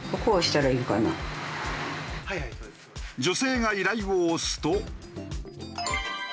女性が「依頼」を押すと。